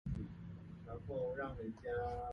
台灣